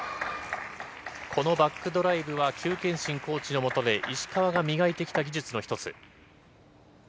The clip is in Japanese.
このバックドライブはキュウ・ケンシンコーチのもとで石川が磨いてきた技術の１つ。